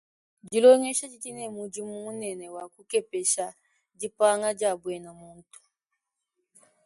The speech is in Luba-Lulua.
Dilongesha didi ne mudimu munene wa kukepesha dipanga dia buena muntu.